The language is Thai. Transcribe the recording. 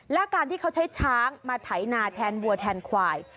และการที่เขาใช้ช้างมาไถนาแทนวัวแทนควาย